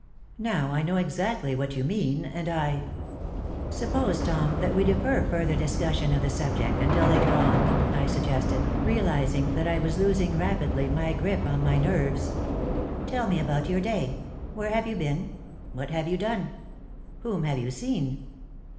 Now, I know exactly what you mean, and I " "Suppose, Tom, that we defer further discussion of the subject until later on," I suggested, realizing that I was losing rapidly my grip on my nerves. "Tell me about your day. Where have you been? What have you done? Whom have you seen?"